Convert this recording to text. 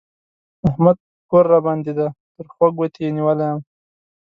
احمد پور راباندې دی؛ تر خوږ ګوته يې نيولی يم